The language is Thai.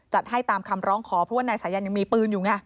ให้ตามคำร้องขอเพราะว่านายสายันยังมีปืนอยู่ไง